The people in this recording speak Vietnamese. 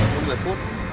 một lúc một mươi phút